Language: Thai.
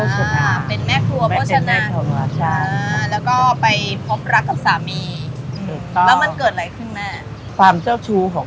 อยู่ด้วยกัน๓คน